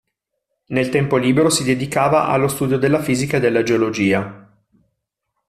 Nel tempo libero si dedicava allo studio della fisica e della geologia.